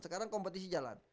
sekarang kompetisi jalan